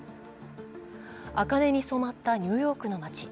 茜に染まったニューヨークの街。